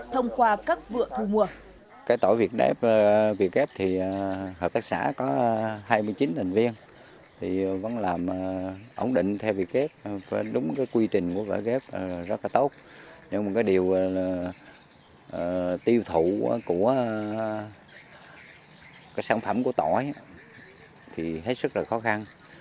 thông qua các vựa thu mua